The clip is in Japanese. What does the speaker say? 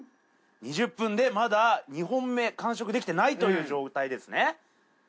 ２０分でまだ２本目完食できてないという状態ですね。